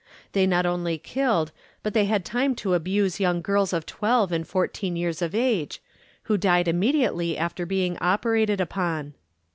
They not only killed, but they had time to abuse young girls of twelve and fourteen years of age, who died immediately after being operated upon.